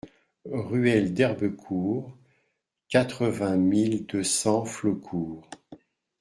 Ruelle d'Herbecourt, quatre-vingt mille deux cents Flaucourt